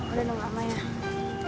udah nunggu amayah